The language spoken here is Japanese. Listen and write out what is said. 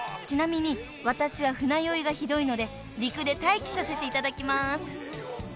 ちなみに私は船酔いがひどいので陸で待機させていただきます］